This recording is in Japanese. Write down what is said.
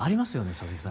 佐々木さん。